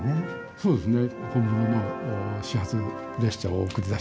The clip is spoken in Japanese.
そうですね。